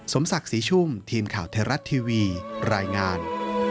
สมศักดิ์สีชุ่มทีมข่าวเทราะห์ทีวีรายงาน